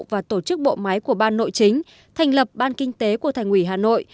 và tổ chức bộ máy của ban nội chính thành lập ban kinh tế của thành ủy hà nội